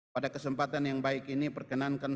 pada kesempatan yang baik ini perkenankan